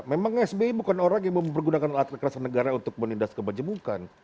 memang sby bukan orang yang mempergunakan alat kekerasan negara untuk menindas kebajemukan